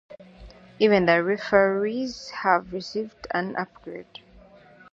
Even the referees have received an upgrade.